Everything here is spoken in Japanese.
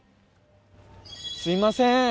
すみません。